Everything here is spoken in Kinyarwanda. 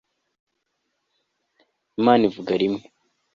imana ivuga rimwe